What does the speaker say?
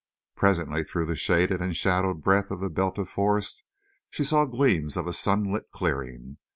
Presently through the shaded and shadowed breadth of the belt of forest she saw gleams of a sunlit clearing.